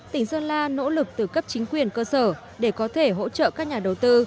tỉnh sơn la nỗ lực từ cấp chính quyền cơ sở để có thể hỗ trợ các nhà đầu tư